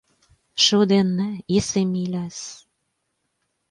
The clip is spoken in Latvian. Šodien ne. Iesim, mīļais.